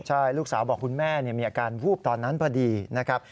ใช่ลูกสาวบอกคุณแม่มีอาการวูบตอนนั้นพอดีนะครับ